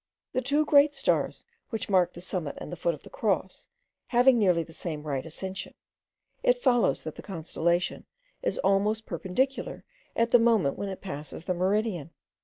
The two great stars which mark the summit and the foot of the Cross having nearly the same right ascension, it follows that the constellation is almost perpendicular at the moment when it passes the meridian.